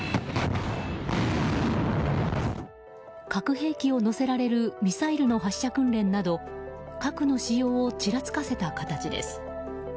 核兵器を載せられるミサイルの発射訓練など核の使用をちらつかせた形です。